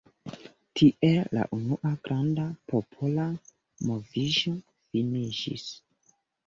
Tiel la unua granda popola moviĝo finiĝis.